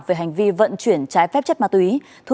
về hành vi vận chuyển trái phép chất ma túy